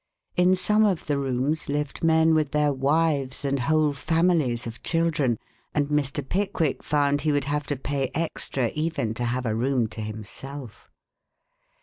In some of the rooms lived men with their wives and whole families of children, and Mr. Pickwick found he would have to pay extra even to have a room to himself.